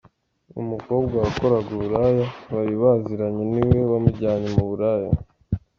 Ngo umukobwa wakoraga uburaya bari baziranye niwe wamujyanye mu buraya.